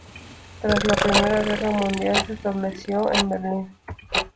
Tras la Primera Guerra Mundial se estableció en Berlín.